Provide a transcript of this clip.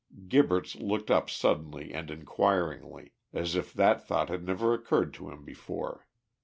Gibberts looked up suddenly and inquiringly, as if that thought had never occurred to him before.